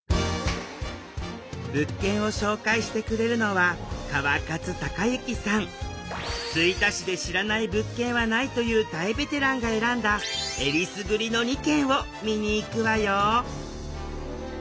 物件を紹介してくれるのは「吹田市で知らない物件はない」という大ベテランが選んだえりすぐりの２軒を見に行くわよ！